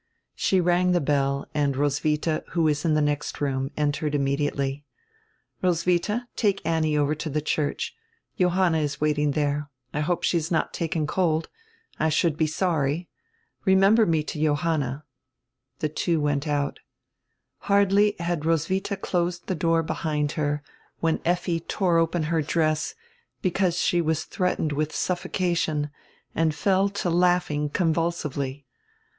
She rang die bell and Roswitha, who was in die next room, entered immediately. "Roswitha, take Annie over to die church. Johanna is waiting there. I hope she has not taken cold. I should be sorry. Remember me to Johanna." The two went out. Hardly had Roswitha closed die door behind her when Effi tore open her dress, because she was threatened with suffocation, and fell to laughing convulsively.